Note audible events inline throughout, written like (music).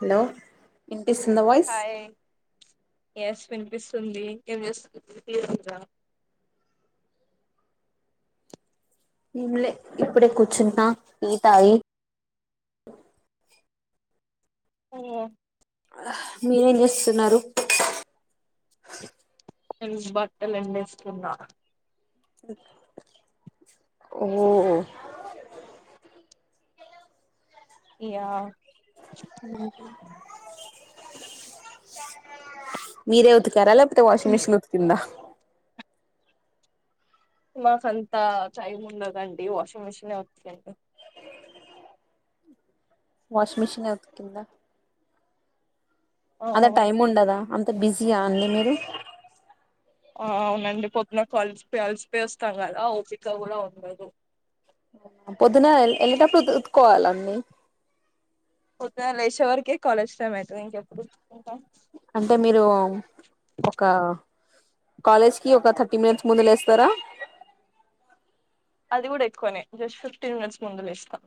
Hello ఇనిపిస్తుందా voice hi yes వినిపిస్తుంది ఏ చేస్తు (unintelligible) ఏమ్లే ఇప్పుడే కూర్చుట్నా టీ తాగీ అవునా మీరేం చేస్తున్నారు? (unintelligible) నేను బట్టలు ఎండేస్తున్నా. ఓ యా మీరే ఉతికర లేక్ టే వాషింగ్ మెషీన్ ఉతికింద నాకంతా టైమ్ ఉండదండి వాషింగ్ మిషినే ఉత్కే వాషింగ్ మిషిన్ ఉతికింద ఓ అలా టైమ్ ఉండదా అం త బిజీయా అండి మీరు అవునండి పొద్దున్న కలిసి అలిసి పోయి వస్తం కదా, ఓపిక కూడా ఉండదు. అవునా పొద్దున ఎళ్ళెటప్పుడు ఉత్తుకోవాల అన్ని పొద్దున్న లేషే వరకే కాలేజ్ టైమ్ అయితది ఇంకెప్పుడు ఉంటాం, అంటే మీరూ మ్ ఒకా కాలేజ్ కి ఒక థర్టీ మినిట్స్ ముందు లేస్తరా? అది కూడా ఎక్కువనే జస్ట్ ఫిఫ్టీన్ మినిట్స్ ముందు లేస్తా.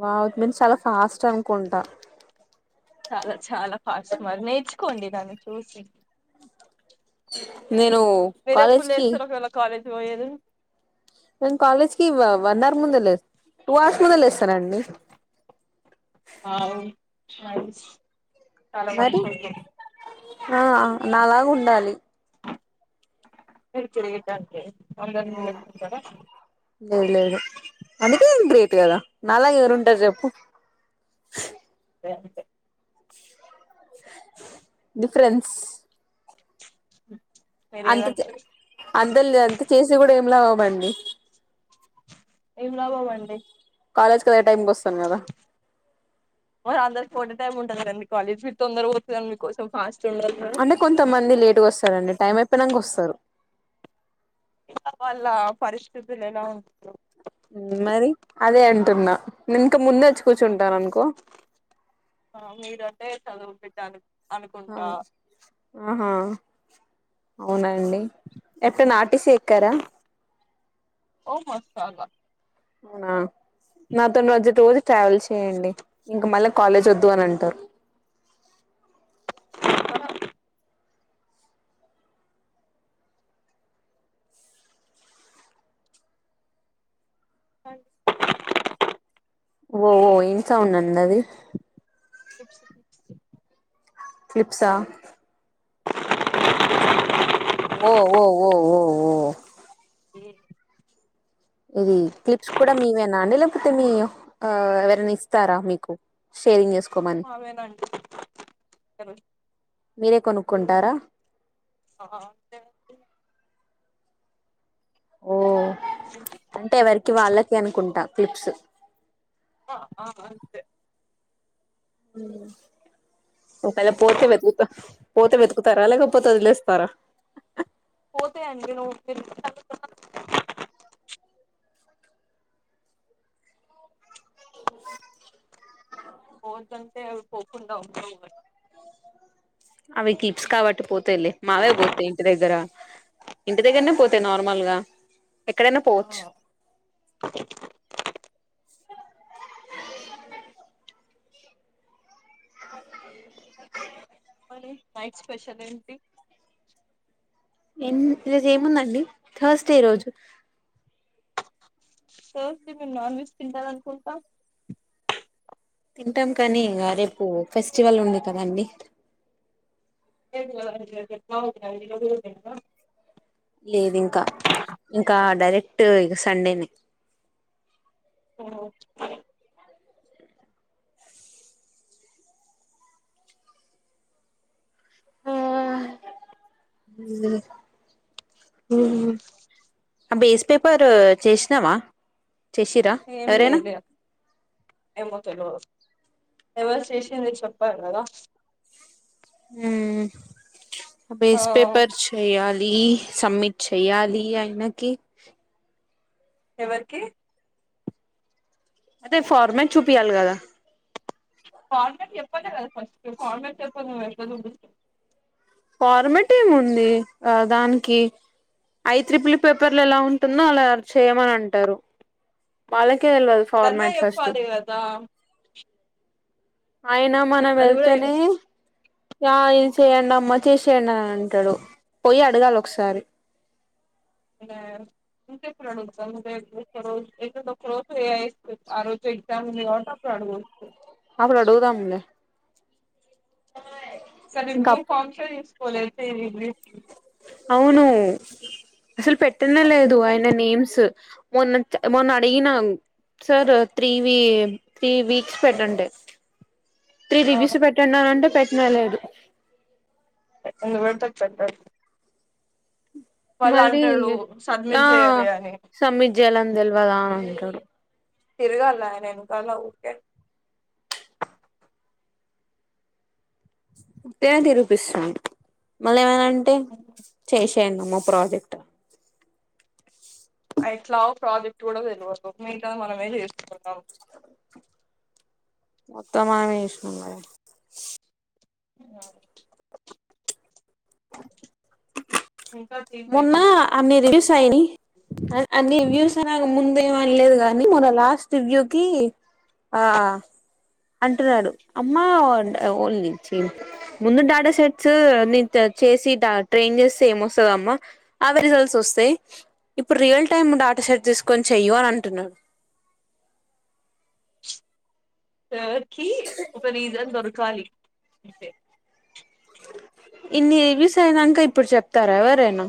వావ్ ఇట్ మీన్స్ చాలా ఫాస్ట్ అనుకుంటా. చాలా చాలా ఫాస్ట్ మరి నెర్చుకోండి నన్ను చూసి (unintelligible) నేను కాలేజ్కి పోయది నే కాలేజ్ కి వన్ అవర్ ముంద లే టూ అవర్స్ ముంద లేస్త అస్తనండి నైస్ చాలా మంచియంది ఆ నాలాగా ఉండాలి మీరు గ్రేట్ అండి అందరినీ లెక్కుంటారా లేదు లేదు అందుకే ఏం ప్రీతి కదా నాలాగ ఎవరు ఉంటారు చెప్పు రే డిఫరెన్స్ (unintelligible) మీర ఏది అంట్ హస్బెండ్ లేదంటే చూస్ కూడా ఏమిలా అవ్వండి ఏంలా వండి కాలేజ్ కెళ్ళే టైమ్ బస్ సన్నద ఒకటే టైం ఉంటది కదండీ కాలేజ్ మీరు తొందర పోతున్నారనీ మీకోసం ఉండాలి కదా అంటే కొంతమంది లేటుగా వస్తారండి టైం ప్పినంగొస్తారు ఇంకా వాళ్ళ పరిస్థితులు ఎలా ఉంటారు మరి అదే అంటున్నా నీకు ముందే కూర్చుంటాననుకో ప్లేస్ అడిగి పెట్టాను ఆ ఆహా అవునండి ఎట్ట నాటి సెకరా మ సార్వ అవునా నాతోన్ నువ్ అచ్చి రోజు ట్రావెల్ చేయండి ఇంకా మళ్ళీ కాలేజ్ వద్దు అని అంటారు ఆ అన్ ఓహో ఇంకా ఉన్నంద అది క్లిప్స్ క్లిప్స్ కి క్లిప్సా ఓ ఓ ఓ ఓ ఓ ఏ ఇది క్లిప్స్ కూడా మీవేనా అండి లేకపోతే మీ ఆ ఎవరైనా ఇస్తారా మీకు షేరింగ్ చేసుకు అవేనండి ఇకను మీరే కొనుక్కుంటారా ఆ అదే అండి ఓ ఉ అంటే ఎవరికి వాళ్ళకి అనుకుంటా క్లిప్స్ ఆ ఆ అంతే ఒకేళ పోతే వెతుకుతా పోతే వెతుకుతారా లేకపోతే వదిలేస్తారా పోతే అండి నువ్వు (inaudible) ఇపుడు నవ్వు మరి అవి క్లిప్స్ కాబట్టి పోతాయి లే మావే పోతాయి ఇంటి దగ్గర ఇంటి దగ్గరనే పోతాయి నార్మల్గా ఎక్కడైనా కదా పోవచ్చు ఇ నైట్ స్పెషల్ ఏంటి ఎన్ ఇ రోజు ఏముందండి థాస్ డే రోజు త్ర్సడై మీరు నాన్ వెజ్ తింటారు అనుకుంటా తింటాం కానీ ఇంగ రేపు ఫెస్టివల్ ఉంది కదండి లేదు ఇంకా ఇంకా డైరెక్ట్ ఇక సండేని అ ఆ బేస్ పేపర్ చేసినవ ఏం చేయలే ఏమో తెల్వదు ఎవరు చేసింది చెప్పాలి గదా ఊమ్ ఆ బేస్ పేపర్ చెయాలి దీ సబ్మిట్ చెయ్యాలి ఆయనకి ఎవరికి అదే ఫార్మాట్ చూపియాలి కదా ఫార్మేట్ చెప్పాలి కదా ఫస్ట్ ఫార్మేట్ చెప్పంది మనం ఎట్లా చుపిస్తాం ఫార్మట్ ఏముంది ఆ దానికి ఐ త్రిపుల్ పేపర్లు ఎలా ఉంటుందో అలా చేయమని అంటారు వాళ్ళ అదన్నా చెప్పాలి గదా ఆయన మనం వెళ్తేనే ఆ ఇది చేయండమ్మ చేసేయండి అని అంటడు పోయి అడగాల ఒకసారి ఆ ఇంకెప్పుడు అడుగుతవ్ ఏధిన ఒక రోజు ఏఐ ఇడిసిపెట్టు ఏ రోజు ఎగ్జామ్ వుంది కాబట్టి అపుడు అడుగు అప్పుడు అడుగుదాంలే సరే ఇంకా బ్లూ ఫంక్షన్ యూస్ కొలే తెలివి అవును అసలు పెట్ న్న లేదు అయినా నేమ్స్ మొన్న మొన్న అడిగిన సార్ త్రీ వి త్రీ వీక్స్ పెట్టండి. త్రీ విగేస్ పెట్టంన్నంటే పెట్ నెలడు ఎవర్త పెట్టక్ మళ్ళీ సబ్మిట్ ఆ చేయాలి అని సబ్మిట్ జేయాలనీ తెల్వదా అని అంటడు తిరగాల ఆయన ఎనకాల ఉకే ఉత్తిగనే తిరిపిస్తుండు మళ్ళీ ఏమైన అన్ టే చేష్ ఎందమా ప్రాజెక్ట్ ఎట్లాగొ ప్రాజెక్ట్ కూడా తెలవదు. మిగతాది మనమే చేసుకుంటం మొత్తం మనమే జేష్ణం గద ఉమ్ ఇంకా టీమ్ మేట్స్ మొన్నా ఉంటారు అన్ని రివ్యూస్ అయినయ్ అన్ని రివ్యూస్ తరాగ మున్ ఏమన్లేదు కానీ మన లాస్ట్ వ్యూ కీ ఆ అ అంటున్నాడు అమ్మా ఓన్లీ ఛీ ముందు డాటా సెట్స్ ని చేసి ట్రైన్ చేస్తే ఏమొస్ మ్మా అవి రిజల్స్ వస్తాయి. ఇప్పుడు రియల్ టైమ్ డాటాషెట్ తీసుకొని చెయ్యు అని అంటున్నాడు. సార్ కి ఒక రీజన్ దొరుకాలి అంతే ఇన్నివిస్ అయినాక ఇప్పుడు చెప్తారా ఎవరైనా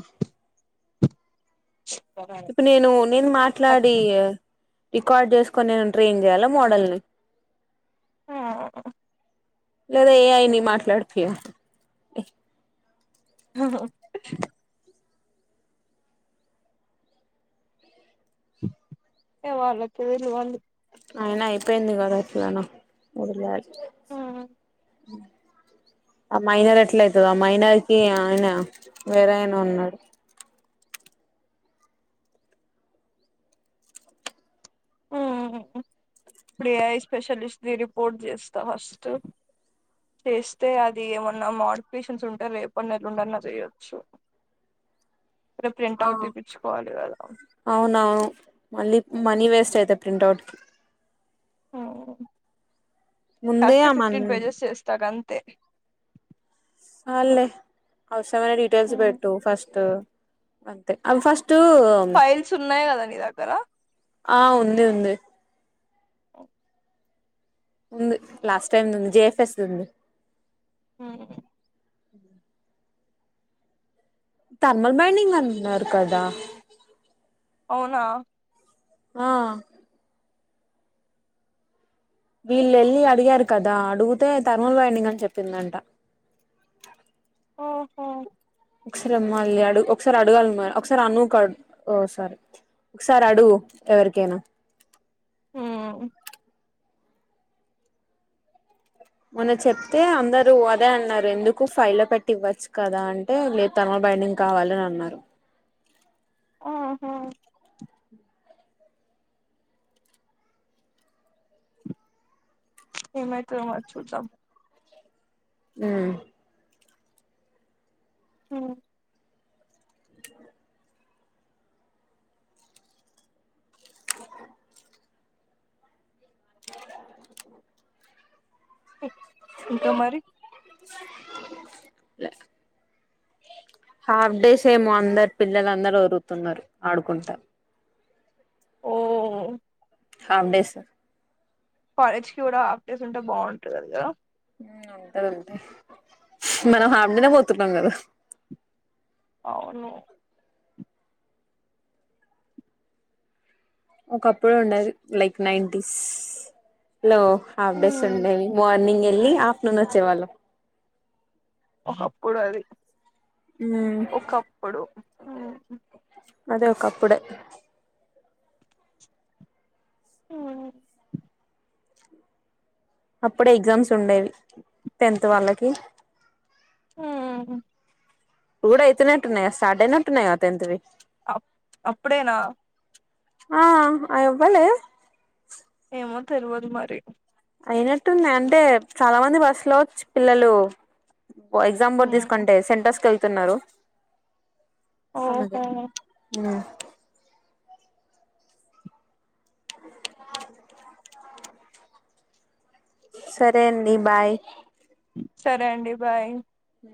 ఇప్పు నేను నేను మాట్లాడి రికార్డ్ చేసుకొని నేను ట్రైన్ చేయాల మోడల్ని ఆ లేదా ఏఐని మాట్లాడిపియాల ఆహా ఏ వాళ్ళచ్చదే వాల్ ఆయన అయిపోయింది కదా ఎట్లనో వదిలేయాలి. ఆ మైనర్ ఎట్ల అయితది. ఆ మైనార్కి ఆయన వేరే ఆయన ఉన్నాడు. ఆహ్ ఇప్పుడు ఏఐ స్పెషలిస్ట్ ది రిపోర్ట్ చేస్తా ఫస్ట్ చేస్తే అది ఏమన్నా మాడిఫికేషన్స్ ఉంటే రేపన్న ఎల్లుండన్న చేయొచ్చు. రేపు ప్రింట్ ఆ అవుట్ తీపిచ్చుకోవాలి అవునవును మళ్ళీ మనీ వేస్ చేత ప్రింట్ అవుట్ కి ఓ ముందే కట్ ఆ మన్ ఫిఫ్టీన్ పేజెస్ ఇస్తా గంత్ అంతే సాళ్లే అస్ మైన డీటెయిల్స్ పెట్టు ఫస్ట్ అంతే అ ఫస్ట్ ఫైల్స్ ఉన్నాయి కదా? నీ దగ్గర. ఆ ఉంది ఉంది. ఓ ఉంది లాస్ట్ టైమ్ది ఉంది జేఎఫ్ఎస్ ద ఉంది. హ్మ్! హూ! (inaudible) తర్మల్ బైండింగ్ అంటున్నారు కదా. అవునా? ఆ వీళ్లు వెళ్ళి అడిగారు కదా, అడిగితే తర్మల్ బైండింగ్ అని చెప్పిందంట. ఓహో! ఒకసారి అమ్మాయిల్ని అడుగు ఒకసారి అడగాలి మే ఒకసారి అనుకి అడుగు ఓ సారీ! ఒకసారి అడుగు ఎవరికైనా? హ్మ్ హు! మొన్న చెప్తే అందరూ అదే అన్నారు ఎందుకు ఫై లో పెట్టి ఇవ్వచ్చు కదా అంటే లేదు థర్మల్ బైండింగ్ కావాలని అన్నారు. ఉహూ! ఏమైతాదో మరి చుద్దాం. హ్మ్! హ్మ్! (inaudible) (inaudible) (inaudible) ఇంకా మరి, లే (unintelligible) హాఫ్ డేస్ ఏమో అందరూ పిల్లలు అందరూ ఒరుల్లుతున్నారు, ఆడుకుంటా. ఓ (unintelligible) హాఫ్ డేస్. కాలేజ్ కి కూడా హాఫ్ డేస్ ఉంటే బాగుంటుంది కదా. ఉంటాదుంటాది. మనం హాఫడేనే పోతున్నాం కదా! అవును. ఒకప్పుడు ఉండేది like nineties. Hello! Half days um. ఉండేవి మార్నింగ్. వెళ్లి ఆఫ్టర్నూన్ వచ్చేవాళ్ళము. ఒకప్పుడు అది. ఉమ్ ఒకప్పుడు ఉ అదే! ఒకప్పుడే. హ్మ్! అప్పుడే ఎగ్జామ్స్ ఉండేవి టెన్త్ వాళ్ళకి. హ్మ్! కూడ అయితు నట్టున్నాయ స్టార్ట్ అయి నట్టున్నాయయి టెన్త్ వి. అ అప్పుడేనా? ఆ అయబ్బలే మా తెలవదు మరి అయినట్టుంది అంటే చాలా మంది బస్సులో వచ్చు పిల్లలు. Exam board um. తీసుకుంటే సెంటర్స్ క స్తున్నారు అలాకే ఓహో ఉమ్ అవు సరే అండి బాయ్ సరే అండి బాయ్ అ